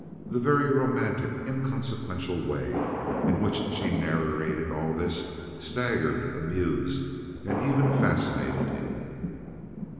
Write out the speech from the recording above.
The very romantic, inconsequential way in which she narrated all this staggered, amused, and even fascinated him.